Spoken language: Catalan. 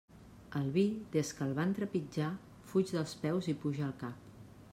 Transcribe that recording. El vi, des que el van trepitjar fuig dels peus i puja al cap.